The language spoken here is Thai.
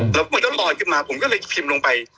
แล้วมันก็ลอยขึ้นมาผมก็เลยพิมพ์ลงไป